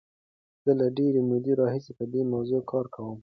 زه له ډېرې مودې راهیسې په دې موضوع کار کوم.